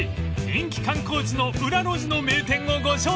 人気観光地の裏路地の名店をご紹介します］